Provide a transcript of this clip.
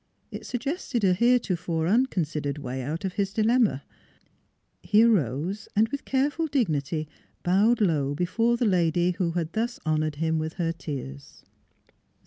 It suggested a heretofore unconsidered way out of his dilemma. He arose and with careful dignity bowed low before the lady who had thus honored him with her tears.